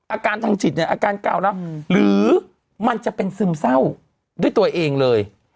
อาการทางจิตเนี่ยอาการเก่าแล้วหรือมันจะเป็นซึมเศร้าด้วยตัวเองเลย